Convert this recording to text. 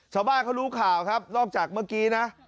ชาวบ้านเขารู้ข่าวครับนอกจากเมื่อกี้นะ